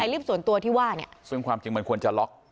ลิฟต์ส่วนตัวที่ว่าเนี่ยซึ่งความจริงมันควรจะล็อก